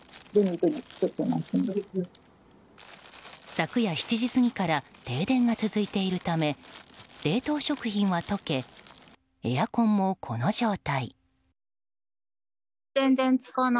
昨夜７時過ぎから停電が続いているため冷凍食品は溶けエアコンもこの状態。